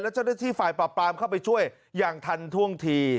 เจ้าหน้าที่ฝ่ายปรับปรามเข้าไปช่วยอย่างทันท่วงที